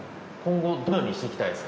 今後どのようにしていきたいですか？